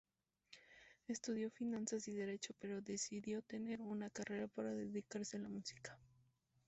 Estudió finanzas y derecho, pero decidió tener una carrera para dedicarse a la música.